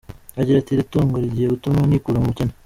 Agira ati “Iri tungo rigiye gutuma nikura mu bukene.